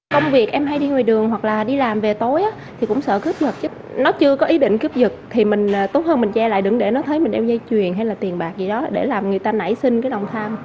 công việc em hay đi ngoài đường hoặc là đi làm về tối thì cũng sợ cướp giật chứ nó chưa có ý định cướp giật thì mình tốt hơn mình che lại đứng để nó thấy mình đeo dây chuyền hay là tiền bạc gì đó để làm người ta nảy sinh cái đồng tham